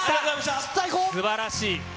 すばらしい。